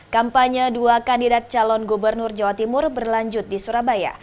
kampanye dua kandidat calon gubernur jawa timur berlanjut di surabaya